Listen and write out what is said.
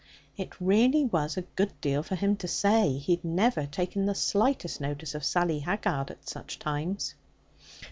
It really was a good deal for him to say. He had never taken the slightest notice of Sally Haggard at such times.